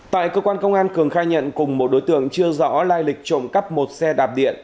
tại cơ quan công an cường khai nhận cùng một đối tượng chưa rõ lai lịch trộm cắp một xe đạp điện